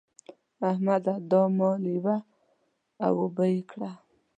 احمده! دا مال یوه او اوبه يې کړه.